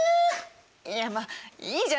いやまあいいじゃないですか。